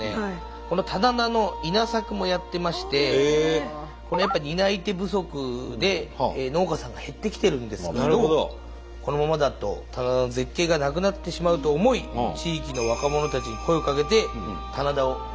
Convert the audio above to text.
この棚田の稲作もやってましてやっぱ担い手不足で農家さんが減ってきてるんですけどこのままだと棚田の絶景がなくなってしまうと思い地域の若者たちに声をかけて棚田を守る活動をしてらっしゃる。